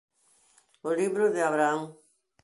O Libro de Abraham.